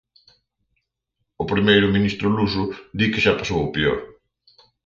O primeiro ministro luso di que xa pasou o peor.